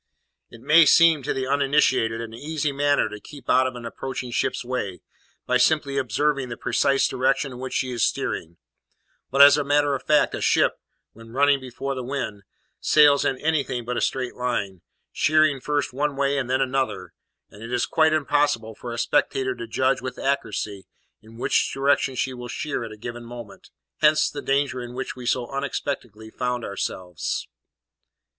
It may seem to the uninitiated an easy matter to keep out of an approaching ship's way, by simply observing the precise direction in which she is steering; but, as a matter of fact, a ship, when running before the wind, sails in anything but a straight line, sheering first one way and then another, and it is quite impossible for a spectator to judge with accuracy in which direction she will sheer at a given moment; hence the danger in which we so unexpectedly found ourselves.